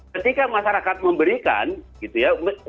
ketika masyarakat memberikan gitu ya